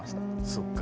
そっか。